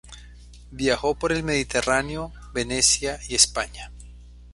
Viajó por el Mediterráneo, Venecia y España.